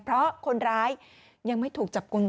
เพราะคนร้ายยังไม่ถูกจับกลุ่ม